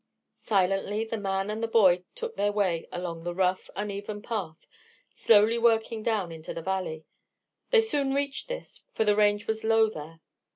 Silently the man and the boy took their way along the rough, uneven path, slowly working down into the valley. They soon reached this, for the range was low there.